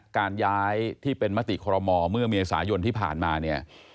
การย้ายที่เป็นมติคอรมอเมื่อเมษายนที่ผ่านมาเนี่ย